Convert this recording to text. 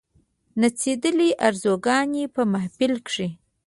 نڅېدلې آرزوګاني په محفل کښي